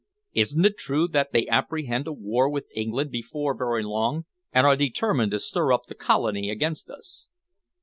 Isn't it true that they apprehend a war with England before very long and are determined to stir up the Colony against us?"